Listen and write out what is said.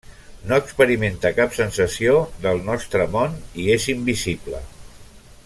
No experimenta cap sensació del nostre món i és invisible.